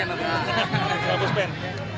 itu kan tanyakan gapus pen